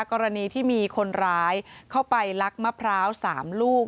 กรณีที่มีคนร้ายเข้าไปลักมะพร้าว๓ลูก